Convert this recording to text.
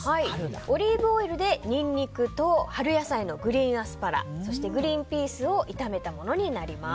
オリーブオイルでニンニクと春野菜のグリーンアスパラそしてグリーンピースを炒めたものになります。